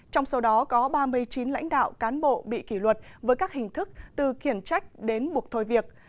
trong số đó có ba mươi chín lãnh đạo cán bộ bị kỷ luật với các hình thức từ khiển trách đến buộc thôi việc